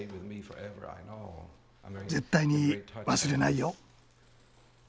絶対に忘れないよ。